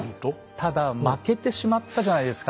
ただ負けてしまったじゃないですか。